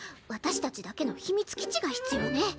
私たちだけの秘密基地が必要ね！